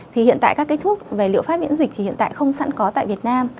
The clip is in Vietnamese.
thì hiện tại các cái thuốc về liệu pháp miễn dịch thì hiện tại không sẵn có tại việt nam